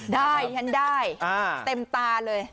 ได้ฉันได้เต็มตาเลย